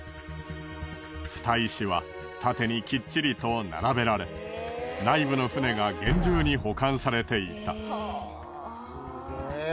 ふた石は縦にきっちりと並べられ内部の船が厳重に保管されていた。